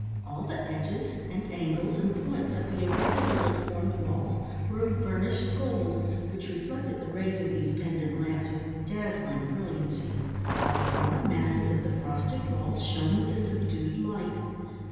All the edges, and angles, and points of the irregularly formed walls were of burnished gold, which reflected the rays of these pendant lamps with dazzling brilliancy, while the broad masses of the frosted walls shone with a subdued light.